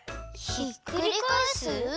ひっくりかえす？